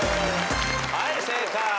はい正解。